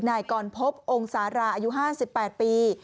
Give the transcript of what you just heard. นายกรพบองค์สาราอายุ๕๘ปี